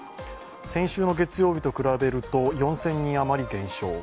先週の月曜日と比べると４０００人あまり減少。